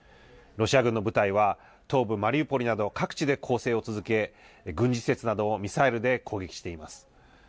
ロシア軍の部隊は、東部マリウポリなど各地で攻勢を続け、軍事施設などをミサイルで攻撃しています。